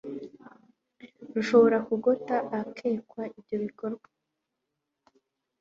rushobora kugota ahakekwa ibyo bikorwa.